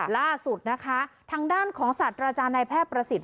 ล่าสุดนะคะทางด้านของศาสตราจารย์นายแพทย์ประสิทธิ